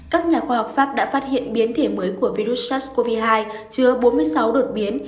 các nhà khoa học pháp đã phát hiện biến thể mới của virus sars cov hai chứa bốn mươi sáu đột biến